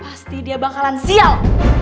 pasti dia bakalan sial